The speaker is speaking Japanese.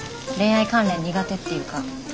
恋愛関連苦手っていうか。